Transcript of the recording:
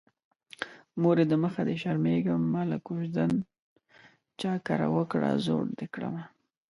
مورې د مخه دې شرمېږم ماله کوژدن چا کره وکړه زوړ دې کړمه